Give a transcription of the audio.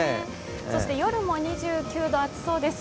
そして夜も２９度、暑そうです。